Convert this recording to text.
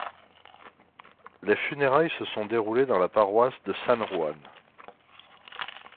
Les funérailles se sont déroulées dans la paroisse de San Juan.